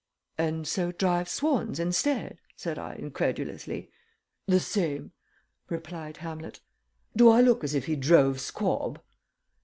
"And so drives swans instead?" said I, incredulously. "The same," replied Hamlet. "Do I look as if he drove squab?"